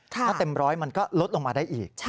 ถ้าเต็มร้อยมันก็ลดลงมาได้อีก